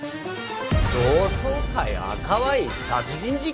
同窓会赤ワイン殺人事件！？